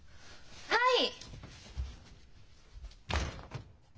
はい！